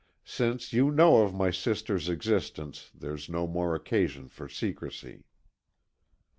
"Since you know of my sister's existence, there is no more occasion for secrecy."